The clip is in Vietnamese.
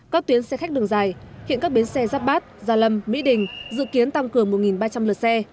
các tuyến xe khách đường dài hiện các bến xe giáp bát gia lâm mỹ đình dự kiến tăng cường một ba trăm linh lượt xe